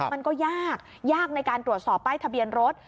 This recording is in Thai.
มันก็ยากยากในการตรวจสอบป้ายทะเบียนรถ